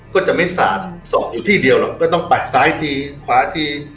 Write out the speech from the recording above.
ก็จะไม่สาดสอบอยู่ที่เดียวหรอกก็ต้องปัดซ้ายทีขวาที